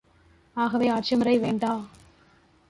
ஆகவே ஆட்சிமுறை வேண்டா.